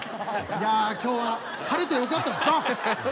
いや今日は晴れてよかったですな！